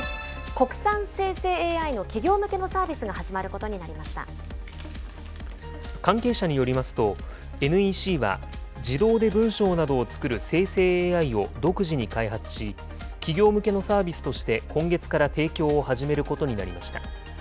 国産生成ＡＩの企業向けのサービ関係者によりますと、ＮＥＣは、自動で文章などを作る生成ＡＩを独自に開発し、企業向けのサービスとして今月から提供を始めることになりました。